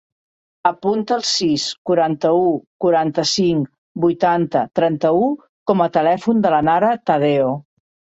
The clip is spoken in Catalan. Apunta el sis, quaranta-u, quaranta-cinc, vuitanta, trenta-u com a telèfon de la Nara Tadeo.